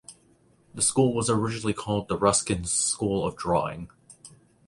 The School was originally called the Ruskin School of Drawing.